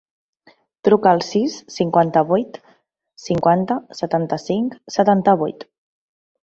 Truca al sis, cinquanta-vuit, cinquanta, setanta-cinc, setanta-vuit.